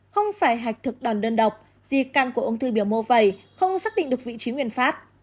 không phải hạch thực đòn đơn độc di căn của ung thư biểu mô vẩy không xác định được vị trí nguyên phát